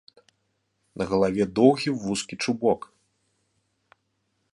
На галаве доўгі вузкі чубок.